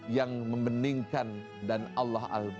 yang membeningkan dan allah al